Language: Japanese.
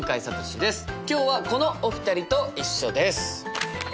今日はこのお二人と一緒です。